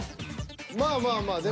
まあまあまあでも。